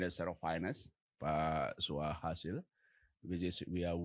dan saya ingin menginvite para panel yang terkenal